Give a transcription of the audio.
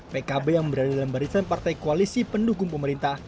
pkb yang berada dalam barisan partai koalisi pendukung pemerintah